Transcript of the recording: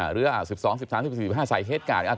หรือ๑๒๑๓๑๔๑๕ใส่เหตุการณ์